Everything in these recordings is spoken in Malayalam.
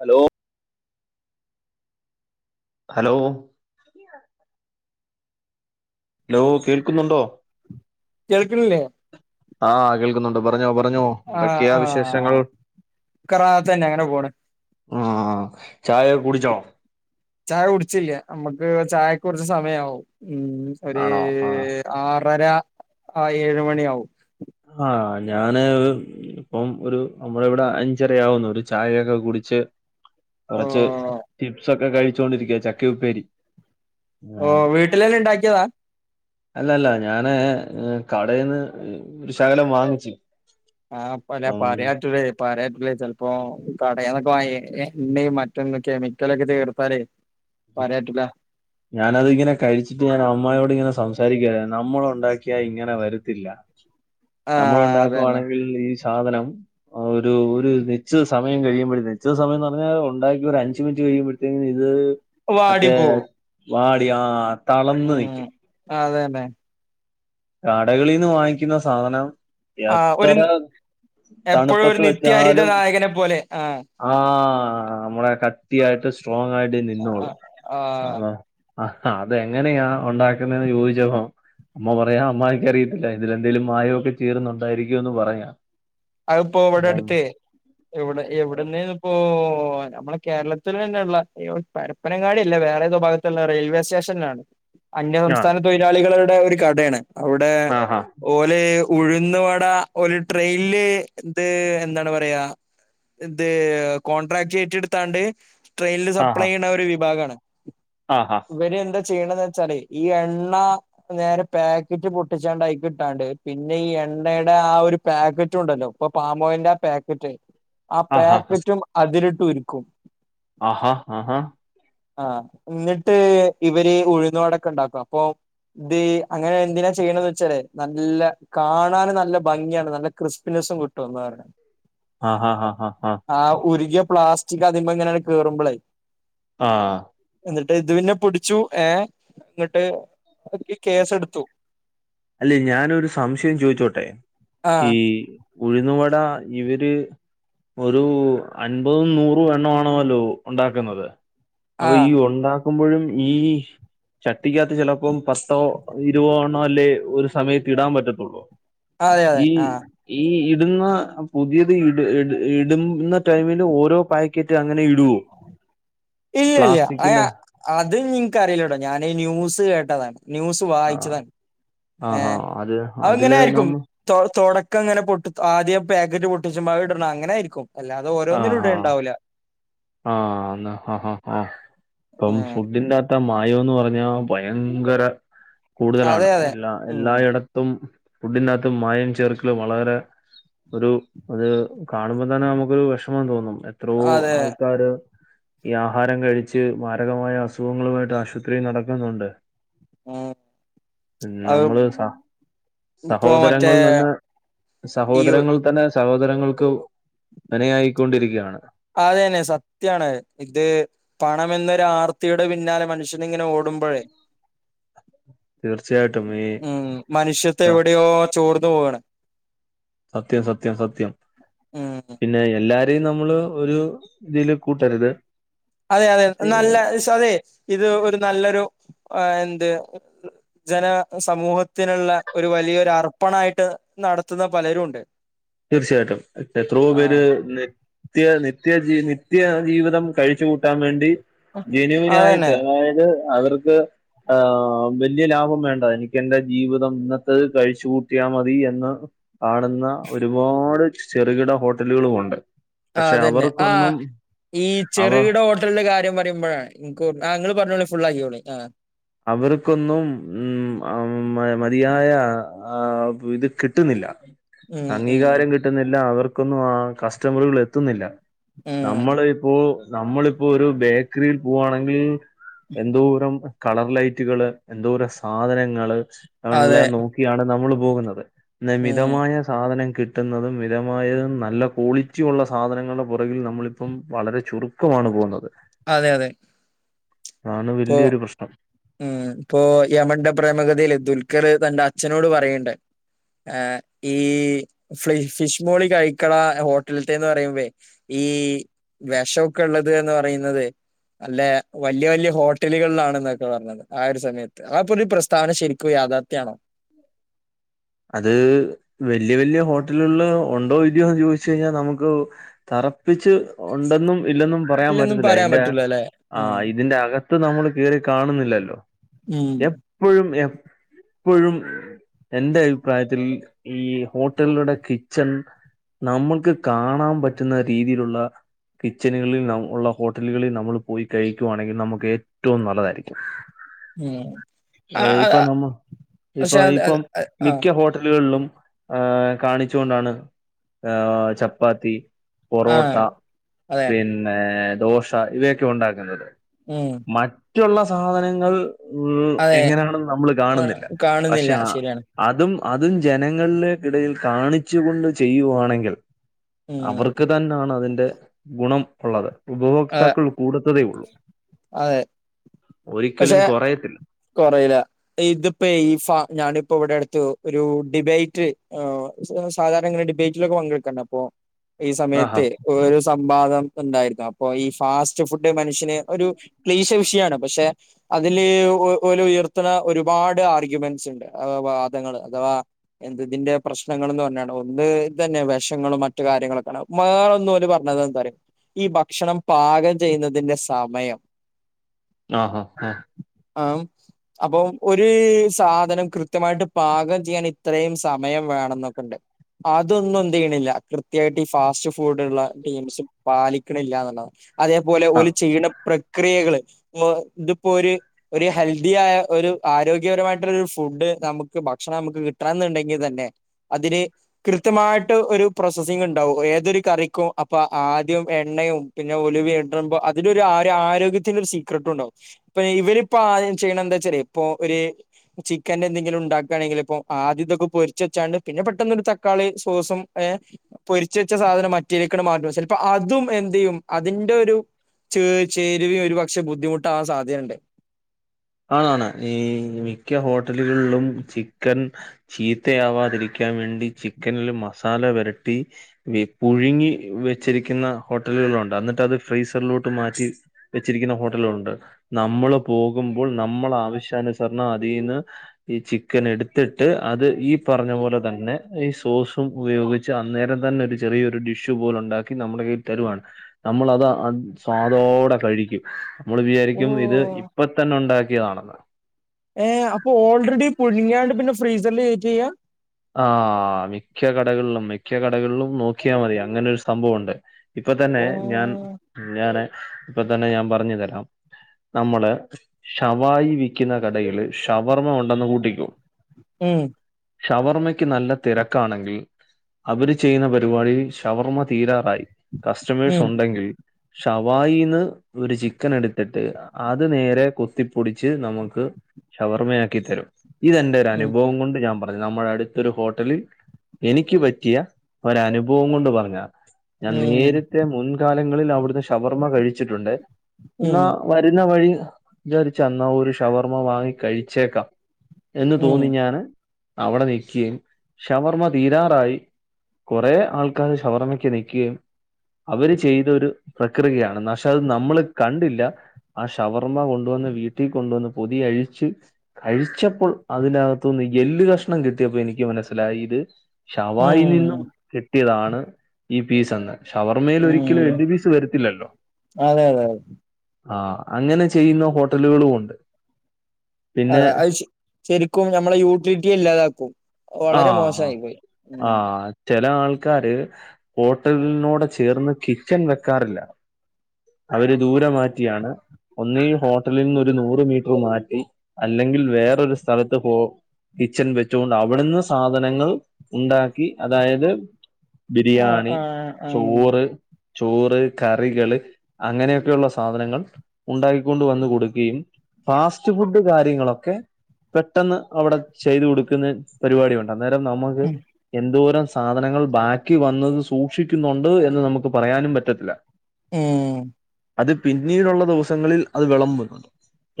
ഹലോ ഹലോ ഹലോ കേൾക്കുന്നുണ്ടോ കേൾക്ക്ണ്ല്ലേ ആ കേൾക്കുന്നുണ്ട് പറഞ്ഞോ പറഞ്ഞ് ഞ്ഞോ ആഹ് എന്തൊക്കെയാ വിശേഷങ്ങൾ ആഹ് റാഹത്തന്നെ അങ്ങനെ പോണ് ആ ചായ കുടിച്ചോ ചായ കുടിച്ചില്ല നമ്മക്ക് ചായക്കൊറച്ച് സമയാവും ഉം ഒര് ആണോ ആഹ് ആറര ആ ഏഴ് മണിയാവും ആ ഞാന് ഇത്പ്പം ഒരു നമ്മളിവിടെ അഞ്ചരയാവുന്നു ഒരു ചായയൊക്കെ കുടിച്ച് ഓ കൊറച്ച് ചിപ്സൊക്കെ കഴിച്ചോണ്ടിരിക്ക്യ ചക്കയുപ്പേരി ഓ ആഹ് വീട്ടിലന്നെ ഇണ്ടാക്കിയതാ അല്ലല്ല ഞാന് കടയെന്ന് ഒരു ശകലം വാങ്ങിച്ചു ആ പല പറയാറ്റൂലെയ് പറയാൻ പറ്റൂലാ ചെൽപ്പോ കടെന്നൊക്കെ വാങ്ങിയ എണ്ണയും മറ്റു കെമിക്കലൊക്കെ ചേർത്താലേ പറയാൻ പറ്റൂല ഞാനതിങ്ങനെ കഴിച്ചിട്ട് ഞാൻ അമ്മയോട് ഇങ്ങനെ സംസാരിക്കയാ നമ്മളൊണ്ടാക്കി ക്കിയാ ഇങ്ങനെ വരുത്തില്ല ആഹ് അതന്നെ നമ്മളൊണ്ടാക്കുവാണെങ്കിൽ ഈ സാധനം ആ ഒരു ഒരു നിശ്ചിത സമയം കഴിയുമ്പഴത്തേക്കും നിശ്ചിത സമയംന്ന്പറഞ്ഞാൽ ഉണ്ടാക്കി ഒരു അഞ്ച് മിനിറ്റ് കഴിയുമ്പ ഇത് മറ്റേ വാടിപ്പോവും വാടി ആ തളന്ന് നിക്കും ആ അതെ അതെ കടകളിൽ നിന്ന് വാങ്ങിക്കുന്ന സാധനം ആഹ് ഒരു എത്ര എപ്പോഴും ഒരു തണുപ്പത്ത് നിത്യഹരിത വെച്ചാലും നായകനെ പോലെ ആഹ് നമ്മടെ കട്ടിയായിട്ട് സ്ട്രോങ് ആയിട്ട് നിന്നോളു ആഹ് ആഹ് അ ആ അതെങ്ങനെയാ ഉണ്ടാക്കുന്നത് ചോദിച്ചപ്പോ അമ്മ പറഞ്ഞ പറയാം അമ്മാവിക്കറിയത്തില്ല ഇതിലെന്തേലും മായമൊക്കെ ചേർന്നണ്ടായിരിക്കുമോ എന്ന് പറയാം അത് ഇപ്പോ ഇവിട അടുത്തേ ഇവിടെ ഇവിടു ഇപ്പോ നമ്മളെ കേരളത്തിൽ തന്നെയുള്ള പരപ്പനങ്ങാടിയല്ല വേറെ ഏതോ ഭാഗത്തുള്ള റെയിൽവേ സ്റ്റേഷനിലാണ് ആ അന്യസംസ്ഥാന തൊഴിലാളികളുടെ ഒരു കടയാണ്. അവിടെ ആഹാ ഓരോ ഉഴുന്ന് വട ഒരു ട്രെയിനില് ഇത് എന്താണ് പറയാ ഇത് കോൺട്രാക്ട് ഏറ്റെടുത്താണ്ട് ട്രെയിനില് സപ്ലൈ ചെയ്യ്ണ ഒരു വിഭാഗാണ് ആ ആഹ ഇവര്എന്താചെയ്യ്ണ്ന്ന് വെച്ചാലേഈ എണ്ണാ നേരെ പാക്കറ്റ് പൊട്ടിച്ചാണ്ടയികിട്ടാണ്ട് പിന്നെ ഈ എണ്ണടെ ആ ഒരു പാക്കറ്റുണ്ടല്ലോ ഇപ്പൊ പാമോയിൽന്റെ ആ പേക്കറ്റ് ആ ആഹാ പേക്കറ്റും അതിലിട്ടുരുക്കും ആഹാ ആഹാ ആഹ് ഇന്നിട്ട് ഇവര് ഉഴുന്ന് വട ഒക്കെ ഉണ്ടാക്കും അപ്പൊ ഇത് അങ്ങനെ എന്തിനാ ചെയ്യണന്ന് വെച്ചാലേ നല്ല കാണാൻ നല്ല ഭംഗിയാണ് നല്ല ക്രിസ്പിനെസ്സും കി കിട്ടും ന്നാ പറഞ്ഞെ ആഹ് ഹാഹാഹാ ആഹ് ആ ഉരുകിയ പ്ലാസ്റ്റിക് അതിന്മേലി ഇങ്ങനെ കേറുമ്പളേ ആഹ് എന്നിട്ട് ഇത് പിന്നെ പിടിച്ചു ഏഹ് എന്നിട്ട് കേസെടുത്തു. അല്ലെ ഞാനൊരു സംശയം ചോയിച്ചോട്ടെ ആഹ് ഈ ഉഴുന്നുവട ഇവര് ഒരുഅൻപതും നൂറും എണ്ണാണല്ലോ ഉണ്ടാക്കുന്നത് അപ്പ ആഹ് ഈ ഒണ്ടാക്കുമ്പഴും ഈ ചട്ടിക്കാത്ത് ചിലപ്പോം പസ് ത്തോ ഇരുവോണോല്ലേ ഒരു സമയത്തിടാൻ പറ്റത്തൊള്ളൂ അതെ അതെ ഈ ആഹ് ഈ ഇടുന്ന പുതിയത് ഇട് ഇട് ഇടുന്ന ടൈമില് ഓരോപാക്കറ്റങ്ങനെ ഇടുവോ ഇല്ലല്ല്യ അ പ്ലാസ്റ്റിക്കിന്റെ അത് ഇൻക്ക്റീല്ലട്ടോ ഞാന് ന്യൂസ്കേട്ടതാണ് ന്യൂസ് ആ. വായിച്ചതാണ് ഏ ആഹാ! അത് അഹ് അതില് അങ്ങനെയിരിക്കും നമ്മ തോ തൊടക്കങ്ങനെ പൊട്ടത് ആദ്യം പാക്കറ്റ്പൊട്ടിച്ചിമ്പം അത് ഇടണം അങ്ങനായിരിക്കും അല്ലാതെ ഓരോന്നിലും ആഹാ! ഇടൽണ്ടാവൂല ആഹ് ന്ന ഹ ഹ ഹ അപ്പം ഉം ഫുഡിന്റെകത്തെ മാ മായൊന്ന്പറഞ്ഞാ ഭയങ്കര അതെ കൂടുതലാണ് അതെ എല്ലാ ഉം എല്ലായിട ത്തും ഫുഡിനകത്ത് മായംചേർക്കല് വളരെ ഒരു അത് കാണുമ്പോതന്നെ നമുക്കൊരു വിഷമംതോന്നും എത്രോ അതെ ആൾക്കാര് ഈ ആഹാരംകഴിച്ച് മാരകമായ അസുഖങ്ങളുമായിട്ട് ആശുപത്രിയിൽ നടക്കുന്നുണ്ട് ഉം അത് നമ്മള് സ ഇപ്പൊ മറ്റേ സഹോദരങ്ങൾനന്നെ ഈ സഹോദരങ്ങൾതന്നെ സഹോദരങ്ങൾക്ക് മനയായിക്കൊണ്ടിരിക്കുകയാണ് അതെന്നെ സത്യാണ് ഇത് പണമെന്നൊരു ആർത്തിയുടെ പിന്നാലെ മനുഷ്യനിങ്ങനെ ഓടുമ്പോഴേ തീർച്ചയായിട്ടും ഈ ഉം മനുഷ്യത്വം എവിടെയോ ചോർന്ന്പോവാണ്. സത്യം സത്യം സത്യം ഉം പി പിന്നെഎല്ലാരേം നമ്മള് ഒരു ഇതില്കൂട്ടരുത് അതെ അതെ നല്ല സതെ ഇത്ഒരു നല്ലൊരു എന്ത് ജന സമൂഹത്തിനുള്ള ഒരുവലിയൊരു അർപ്പണായിട്ട് നടത്തുന്ന പലരുണ്ട് തീർച്ചയായിട്ടും എത്രയോ പേര് ഇന്ന് ത്യ നിത്യജി നിത്യജീവിതം കഴിച്ചുകൂട്ടാൻവേണ്ടി ജെനുവിനായിട്ട് അതന്നെ അതായത് അവർക്ക് ആഹ് വല്ല്യലാഭംവേണ്ട എനിക്കെന്റെജീവിതം ഇന്നത്തെത് കഴിച്ചുകൂട്ടിയാമതി എന്ന് കാണുന്ന ഒരുപാട് ചെറുകിട ഹോട്ടലുകളും ഉണ്ട് ആഹ് അതന്നെ ആ ഈ അവ ചെറുകിടഹോട്ടലിന്റെ കാര്യംപറയുമ്പയേ ഇൻക് ഓർമ ആ ഇങ്ങള്പറഞ്ഞോളി ഫുള്ളാക്കിക്കോളി ആ അവർക്കൊന്നും ഉം അഉം മതിയായ ആഹ് ഇത് കിട്ടുന്നില്ല ഉം ഉം അംഗീകാരംകിട്ടുന്നില്ല അവർക്കൊന്നും ആ കസ്റ്റമറുകള് എത്തുന്നില്ല ഉം നമ്മള് ഇപ്പോ നമ്മളിപ്പോ ഒരു ബേക്കറിയിൽ പോവാണെങ്കിൽ എന്തൂരം കളർ ലൈറ്റുകള് എന്തോര അതെ സാധനങ്ങള്ല്ലാം നോക്കിയാണ് നമ്മള് പോകുന്നത് ഇന്ന് ഉം മിതമായ സാധനം കിട്ട ട്ടുന്നതും മിതമായതും നല്ല ക്വാളിറ്റി ഉള്ള സാധനങ്ങളുടെ പുറകിൽ നമ്മളിപ്പം വളരെ ചുരു ക്കമാണ് പോകുന്നത് അതെ അതെ ആണ് ഇപ്പൊ വല്യൊരു പ്രശ്നം ഉം ഇപ്പോ യമന്റെ പ്രേമഗതയില് ദുൽഖർ തന്റെ അച്ഛനോട് പറയണ്ട ആഹ് ഈ ഫ്ളി ഫിഷ് മോളി കഴിക്കട ഹോട്ടൽത്തെന്ന് പറയുമ്പേ ഈ വെഷക്കെള്ളത് എന്ന്പറയുന്നത് അല്ലെ വല്യ വല്യ ഹോ ഹട്ടലുകളിലാണെന്നൊക്കെ പറഞ്ഞത് ട്ടിലുകളിലാണ് എന്നൊക്കെ പർഞ്ഞത് ആ ഒരു സമയത്ത് ആപ്പൊരു പ്രസ്താവന ശരിക്കും യാഥർത്ഥ്യണോ അത് വല്യ വല്യ ഹോട്ടലുകള് ഉണ്ടോ ഇലിയോന്ന് ചോദിച്ച കഴിഞ്ഞാൽ നമുക്ക് തറപ്പിച്ച് ഉണ്ടെന്നും ഇല്ലെന്നും പറയാൻ ഇല്ലൊന്നും പറ്റത്തില്ല പറയാൻ അയിന്റെ പറ്റൂല അല്ലെ ആ ഉം ഇതിന്റെ അക നമ്മൾ കേറി കാണുന്നില്ലല്ലോ ഉം എപ്പോഴും എപ്പോഴും എനന്റെ അഭിപ്രായത്തിൽ ഈ ഹോട്ടലുടെ കിച്ചൺ നമ്മൾക്ക് കാണാൻ പറ്റുന്ന രീതിയിലുള്ള കിച്ചണുകളിൽ ഉള്ള ഹോട്ടലുകളിൽ നമ്മൾ പോയി കഴിക്കുവാണെങ്കിൽ നമുക്ക് ഏറ്റവും നല്ലതായിരിക്കും ഉം ആ ആ ഇപ്പൊ ആ, നമ്മ ഇപ്പൊ പക്ഷെ അത് അത് ഇപ്പം അത് ആ മിക്ക ഹോട്ടലുകളിലും ആഹ് കാണിച്ചു കൊണ്ടാണ് ചപ്പാത്തി ആ പൊറോട്ട അതെ പിന്നെ ദോശ ഇവയൊക്കെ ഉണ്ടാക്കുന്നത് ഉം മറ്റുള്ള സാധനങ്ങൾ ഉം അതെ എങ്ങനെയാണെന്ന് നമ്മൾ ആ, കാണുന്നില്ല പക്ഷെ കാണുന്നില്ല ശരിയാണ് അതും അതും ജനങ്ങളുടെക്കിടയിൽ കാണിച്ചു കൊണ്ട് ചെയ്യുയാണെങ്കിൽ ഉം അവർക്ക് തന്നെയാണ് അതിന്റെ ഗുണം ഉള്ളത് അതെ ഉപഭോക്താക്കൾ കൂടുത്തതേ ഉള്ളൂ അതെ ഒരിക്കലും പക്ഷെ കുറയത്തില്ല കൊറയില്ല ഇതിപ്പോ ഈ ഫ ഞാനിപ്പോ ഇവിടെ അടുത്ത് ഒരു ഡിബേറ്റ് സാധാരണ ങ്ങനെ ഡിബേറ്റിലൊക്കെ അപ്പൊ പങ്കെടുക്കാം പ്പോ ഈ ആഹാ സമയത്ത് ഒരു സംവാദം ഉണ്ടായിരുന്നു അപ്പൊ ഈ ഫാസ്റ്റ് ഫുഡ് മനുഷ്യ ഒരു ക്ലീശ വിഷയാണ് പക്ഷെ അതില് പോലെ ഉയർത്തുന്ന ഒരുപാട് ആർഗ്യുമെന്റ്സ് ഉണ്ട് അ വാദങ്ങള് അഥവാ എന്തിന്റെ പ്രശ്നങ്ങൾ എന്ന് പറഞ്ഞാണ് ഒന്ന് ഇത് തന്നെ വിശങ്ങളും മറ്റു കാര്യങ്ങളൊക്കെയാണ് മകളൊന്ന പോല പറഞ്ഞത് എന്ത റിയോ ഈ ഭക്ഷണം പാകം ചെയ്യുന്നതിന്റെ സമയം ആഹ് ആഹ് ആഹ് അപ്പൊ ഒരു സാധനം കൃത്യമായിട്ട് പാകം ചെയ്യാൻ ഇത്രയും സമയം വേണം എന്നൊക്കെുണ്ട് അതൊന്നും എന്ത്യ്യണില്ല കൃത്യമായിട്ട് ഈ ഫാസ്റ്റ് ഫുഡള്ള ടീംസ് പാലിക്കണില്ലന്ന്ണ് അതേപോലെ ആ. ഓല് ചെയ്യുന്ന പ്രക്രിയകള് ഇതിപ്പോ ഒരു ഹെൽ പ്രതിയായ ഒരു ആരോഗ്യപരമായിട്ടുള്ള ഒരു ഫുഡ് നമുക്ക് ഭക്ഷണം നമുക്ക് കിട്ടണം എന്നുണ്ടെങ്കി തന്നെ അതിന് കൃത്യമായിട്ട് ഒരു പ്രോസസിങ് ഇ ണ്ടാവും ഏതൊരു കറിക്കും അപ്പൊ ആദ്യം എണ്ണയും പിന്നെ ഒലി വേണ്ടമ്പോ അതിലരു ആരോ ആരോഗ്യത്തിന്റെ ഒരു സീക്രട്ടും ഉണ്ടാവും ഇപ്പ ഇവരിപ്പ ചെയ്യണ എന്താച്ച ഇപ്പൊ ഒര് ചിക്കൻന്റെ എന്തെങ്കിലും ഉണ്ടാക്കുകയാണെങ്കിൽ ഇപ്പൊ ആദ്യം ഇതൊക്കെ പൊരിച്ച് വെച്ചാണ്ട് പിന്നെ പെട്ടെന്നൊരു തക്കാളി സോസും ഏഹ് പൊരിച്ച വെച്ച സാധനം മറ്റിരിക്കുന്ന മാറ്റ ചിലപ്പോ അതും എന്തയ്യും അതിന്റെ ഒരു ചേ ചേരുവയും ഒരുപക്ഷെ ബുദ്ധിമുട്ടാ ആൻ സാധ്യതയുണ്ട് ആതാണ് ഈ മിക്ക ഹോട്ടലുകളിലും ചിക്കൻ ചീത്തയാവാതിരിക്കാൻ വേണ്ടി ചിക്കനില് മസാല വരട്ടി പുഴുങ്ങി വെച്ചിരിക്കുന്ന ഹോട്ടലുകളുണ്ട് എന്നിട്ട് അത് ഫ്രീസറിലോട്ട് മാറ്റി വെച്ചിരിക്കുന്ന ഹോട്ടലുണ്ട് നമ്മൾ പോകുമ്പോ നമ്മള ആവശ്യാനുസരണം അതിന്ന് ഈ ചിക്കൻ എടുത്തിട്ട് അത് ഈ പറഞ്ഞ പോലെ തന്നെ ഈ സോസും ഉപയോഗി ച് അന്നേരം തന്നെ ഒരു ചെറിയൊരു ഡിഷു പോലെ ഉണ്ടാക്കി നമ്മുടെ കയ്യിൽ തരുവാണ് തരുവാണ് നമ്മളത് അ സ്വാദോടെ കഴിക്കും നമ്മൾ വിചാരിക്കും ഇത് ഓഹ് ഇപ്പ തന്നെ ഉണ്ടാക്കിയതാണെന്ന് ഏഹ് അപ്പൊ ഓൾറെഡി പുഴുങ്ങിയാണ്ട് പിന്നെ ഫ്രീസറിൽ കയറ്റേ ചെയ്യ ആഹ് മിക്ക കടകളിലും മിക്ക കടകളിലും നോക്കിയാൽ മതി അങ്ങനെരു സംഭവം ഉണ്ട് ഇപ്പ തന്നെ ഞാൻ ഓഹ് ഞാന് ഇപ്പൊ തന്നെ ഞാൻ പറഞ്ഞു തരാം നമ്മള് ശവായി വിൽക്കുന്ന കടയിൽ ഷവർമ്മ ഉണ്ടെന്ന് കൂട്ടിക്കോ ഉം ഷവർമ്മയ്ക്ക് നല്ല തിരക്കാണെങ്കിൽ അവര് ചെയ്യുന്ന പരിപാടിയിൽ ഷവർമ്മ തീരാറായി കസ്റ്റമേഴ്സ് ഉം ഉണ്ടെങ്കിൽ ഷവായിന്ന് ഒരു ചിക്കൻ എടുത്തിട്ട് അത് നേരെ കൊത്തിപ്പൊടിച്ച് നമുക്ക് ഷവർമ്മയാക്കിത്തരും ഇതെന്റെ ഒരു ഉം അനുഭവം കൊണ്ട് ഞാൻ നമ്മുടെ അടുത്തൊരു ഹോട്ടലിൽ എനിക്ക് പറ്റിയ ഒരു അനുഭവം കൊണ്ട് പറഞ്ഞാ ഞാൻ ഉം നേരത്തെ മുൻകാലങ്ങളിൽ അവിടുന്ന് ഷവർമ്മ കഴിച്ചിട്ടുണ്ട് ഉം എന്നാ വരുന്ന വഴി വിചാരിച്ചന്നാ ഒരു ഷവർമ്മ വാങ്ങി കഴിച്ചേക്കാം എന്ന് ഉം തോന്നി ഞാന് അവിടെ നിൽകയും ഷവർമ്മ തീരാറായി കുറെ ആൾക്കാര് ഷവർമക്ക് നിൽക്കുകയും അവര് ചെയ്തൊരു പ്രക്രിയയാണ് പക്ഷെ അത് നമ്മള് കണ്ടില്ല ആ ഷവർമ്മ കൊണ്ടുവന്ന് വീട്ടിൽ കൊണ്ടുവന്ന് പൊതിയഴിച്ച് കഴിച്ചപ്പോൾ അതിനകത്ത്ന്ന് എല്ല് കഷ്ണം കിട്ടിയപ്പോ എനിക്ക് മനസ്സിലായി ഇത് ഷവായിൽ ഉം നിന്നും കിട്ടിയതാണ് ഈ പീസന്ന് ഷവർമയിൽ ഒരിക്കലും ഉം എല് പീസ് വരത്തില്ലല്ലോ അതെ അതെ അതെ ആഹ് അങ്ങനെ ചെയ്യുന്ന ഹോട്ടലുകളും ഉണ്ട് പിന്നെ അതെ അത് ശെരിക്കും നമ്മളെ യൂട്ടിലിറ്റി ഇല്ലാതാക്കും വളരെ മോശമായി പോയി ഉം ചെല ആൾക്കാര് ഹോട്ടലിനോടെ ചേർന്ന് കിച്ചൺ വെക്കാറില്ല അവര് ദൂരെ മാറ്റിയാണ് ഒന്ന് ഈ ഹോട്ടലിൽ നിന്ന് ഒരു നൂറ് മീറ്റർ മാറ്റി അല്ലെങ്കിൽ വേറൊരു സ്ഥലത്ത് പോ കിച്ചൻ വെച്ചൊണ്ട് അവിടുന്ന് സാധനങ്ങൾ ഉണ്ടാക്കി അതായത് ആഹ് ബിരിയാണി ആഹ് ആഹ് ചോറ് ചോറ് കറികള് അങ്ങനെയൊക്കെയുള്ള സാധനങ്ങൾ ഉണ്ടാക്കിക്കൊണ്ട് വന്ന് കൊടുക്കുകയും ഫാസ്റ്റ് ഫുഡ് കാര്യങ്ങളൊക്കെ പെട്ടെന്ന് അവിടെ ചെയ്തു കൊടുക്കുന്ന പരിപാടിയുണ്ട് അന്നേരം നമുക്ക് ഉം എന്തോരം സാധനങ്ങൾ ബാക്കി വന്നത് സൂക്ഷിക്കുന്നുണ്ട് എന്ന് നമുക്ക് പറയാനും പറ്റത്തില്ല ഏഹ് അത് പിന്നീടുള്ള ദിവസങ്ങളിൽ അത് വിളമ്പുന്ന്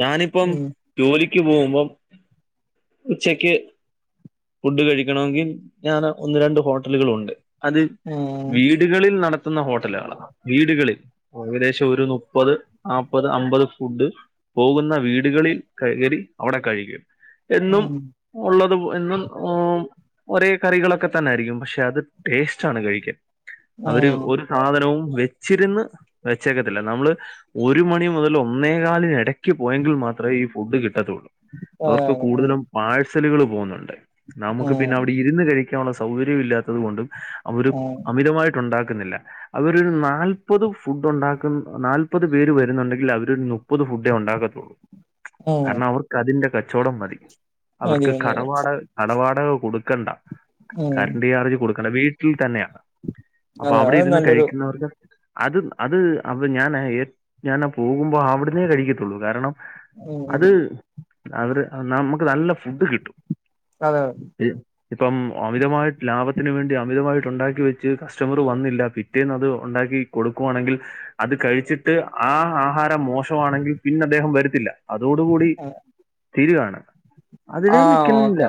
ഞാനിപ്പം ഉം ജോലിക്ക് പോകുമ്പോ ഉച്ചക്ക് ഫുഡ് കഴിക്കണമെങ്കിൽ ഞാന ഒന്ന് രണ്ട് ഹോട്ടലുകളുണ്ട് അത് വീ വീടുകളിൽ നടത്തുന്ന ഹോട്ടലുകളാണ് വീടുകളിൽ ഏകദേശം ഒരു മുപ്പത് നാപ്പത് അമ്പത് ഫുഡ് പോകുന്ന വീടുകളിൽ കയറി അവിടെ കഴിക്കും എന്നും ഉം ഉള്ളത് എന്നും ഒരേ കറികളൊക്കെ തന്നൊയിയിരിക്കും പക്ഷെ അത് ടേസ്റ്റ് ആണ് കഴിക്കാൻ അവര് ഉം ഒരു സാധനവും വെച്ചിരുന്ന് വെച്ചേക്കത്തില്ല നമ്മള് ഒരു മണി മുതൽ ഒന്നേ കാലി ഇടയ്ക്ക് പോയെങ്കിൽ മാത്രമേ ഈ ഫുഡ് കിട്ടത്തുള്ളൂ ഉം അതെ അവർക്ക് അതെ കൂടുതലും പാഴ്സലുകൾ പോകുന്നുണ്ട് ഉം നമുക്ക് പിന്നെ ഉം അവിടെ ഇരുന്ന് കഴിക്കാനുള്ള സൗകര്യം ഇല്ലാത്തത് കൊണ്ടും അവര് ഉം അമിതമായിട്ട് ണ്ടാക്കുന്നില്ല അവരൊരു നാല്പത് ഫുഡ് ഉണ്ടാക്കുന്ന നാല്പത് പേര് വരുന്നുണ്ടെങ്കിൽ അവരൊരു മുപ്പത് ഫുഡേ ഉണ്ടാക്കത്തുള്ളൂ ഉം കാരണം അവർക്ക് അതിന്റെ കചൊടം മതി മതി അവർക്ക് മതി അതെ കടവാടക് കടവാടക കൊടുക്കണ്ട ഉം കരറ്റു ചാർജ് കൊടുക്കണ്ട വീട്ടിൽ തന്നെയാണ് അപ്പൊ അതെ അവിടെ അത് ഇരുന്ന് നല്ലൊരു കഴിക്കുന്നവർക്ക് അത് അത് അവിടെ ഞൻഏ ഞാനാ പോകുമ്പോ അവിടെ ഇരുന്നേ കഴിക്കത്തുള്ളൂ കാരണം ഉം ഉം അത് അവര് നമുക്ക് നല്ല ഫുഡ് കിട്ടും അതെ തെ ഇപ്പം അമിതമായിട്ട് ലാഭത്തിനന് വേണ്ടി അമിതമായിട്ട് ഉണ്ടാക്കി വെച്ച് കസ്റ്റമർ വന്നില്ല പിറ്റ് റ്റേന്ന് അത് ഉണ്ടാക്കി കൊടുക്കുവാണെങ്കിൽ അത് കഴിച്ചിട്ട് ആഹ് ആഹാരം മോശമാണെങ്കിൽ പിന്നെ അദ്ദേഹം വരത്തില്ല അതോടുകൂടി തീരുവാണ് അതിടാൻ നിൽക്കണില്ല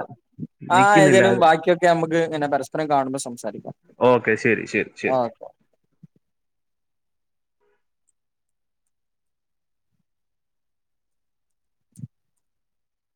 ആ ഹ്ഏതോലും ബാക്കിയൊക്കെ നമ്മുക്ക് ഇങ്ങനെ പരസ്പരം കാണുമ്പോൾ സംസാരിക്കാം ഓക്കെ ശരി ശരി ശരി ഓക്കെ